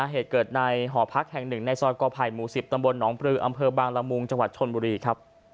เหตุเกิดในหอพักแห่งหนึ่งในซอยก่อไผ่หมู่๑๐ตำบลหนองปลืออำเภอบางละมุงจังหวัดชนบุรีครับ